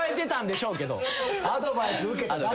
アドバイス受けただけ。